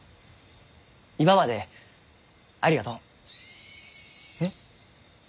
今までありがとう。えっ。